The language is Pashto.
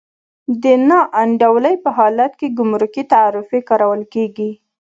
د نا انډولۍ په حالت کې ګمرکي تعرفې کارول کېږي.